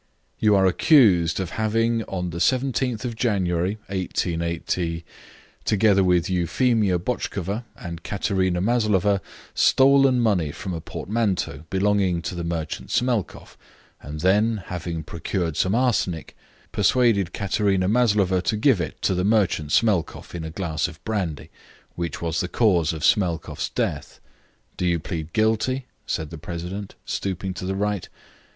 "You are accused of having on the 17th January, 188 , together with Euphemia Botchkova and Katerina Maslova, stolen money from a portmanteau belonging to the merchant Smelkoff, and then, having procured some arsenic, persuaded Katerina Maslova to give it to the merchant Smelkoff in a glass of brandy, which was the cause of Smelkoff's death. Do you plead guilty?" said the president, stooping to the right.